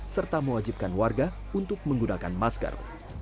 serta mewajibkan warga untuk menggunakan masker